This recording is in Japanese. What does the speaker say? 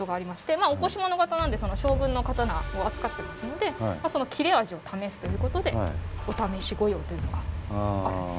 御腰物方なんで将軍の刀を扱ってますのでその切れ味を試すということで御様御用というのがあるんですね。